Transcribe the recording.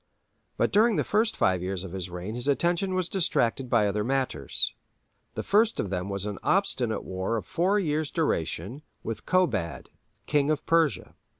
But during the first five years of his reign his attention was distracted by other matters. The first of them was an obstinate war of four years' duration, with Kobad, King of Persia.